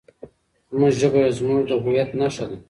زموږ ژبه زموږ د هویت نښه ده.